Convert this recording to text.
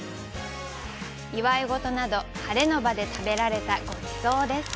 祝い事など晴れの場で食べられたごちそうです。